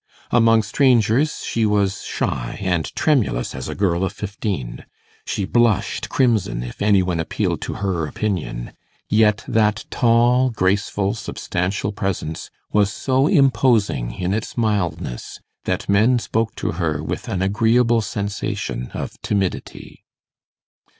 Among strangers she was shy and tremulous as a girl of fifteen; she blushed crimson if any one appealed to her opinion; yet that tall, graceful, substantial presence was so imposing in its mildness, that men spoke to her with an agreeable sensation of timidity.